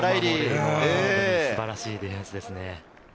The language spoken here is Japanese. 素晴らしいディフェンスですね。